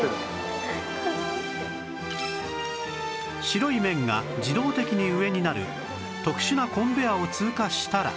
白い面が自動的に上になる特殊なコンベヤーを通過したら